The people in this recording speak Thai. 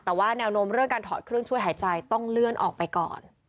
แต่ว่าแนวโน้มเรื่องการถอดเครื่องช่วยหายใจต้องเลื่อนออกไปก่อน